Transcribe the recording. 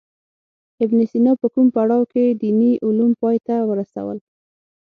ابن سینا په کوم پړاو کې دیني علوم پای ته ورسول.